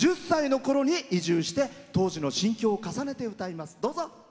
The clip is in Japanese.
１０歳のころに移住して当時の心境を重ねて歌います。